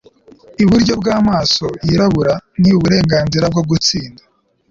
iburyo bw'amaso yirabura, n'uburenganzira bwo gutsinda